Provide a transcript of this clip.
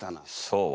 そう。